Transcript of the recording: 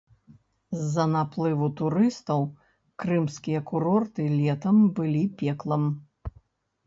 З-за наплыву турыстаў крымскія курорты летам былі пеклам.